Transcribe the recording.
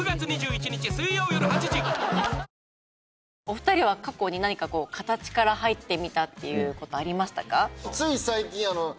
お二人は過去に何かこう形から入ってみたっていうことありましたか？